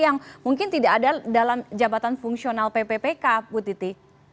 yang mungkin tidak ada dalam jabatan fungsional pppk bu titi